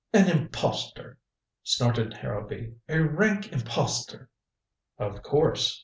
"An impostor," snorted Harrowby. "A rank impostor." "Of course."